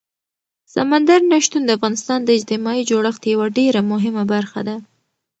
سمندر نه شتون د افغانستان د اجتماعي جوړښت یوه ډېره مهمه برخه ده.